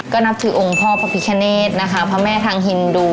ก็นับถือองค์พ่อพระพิคเนธนะคะพระแม่ทางฮินดู